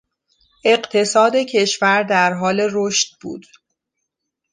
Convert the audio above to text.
اقتصاد کشور در حال رشد بود.